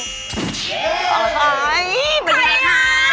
สุดยอดแม่บ้านตัวจริง